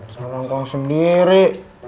salah kong sendiri